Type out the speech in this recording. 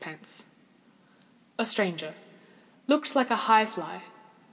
_ _A stranger—looked like a high fly.